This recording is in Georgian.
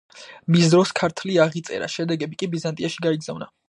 მის დროს ქართლი აღიწერა, შედეგები კი ბიზანტიაში გაიგზავნა.